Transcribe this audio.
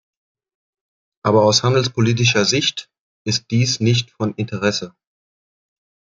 Aber aus handelspolitischer Sicht ist dies nicht von Interesse.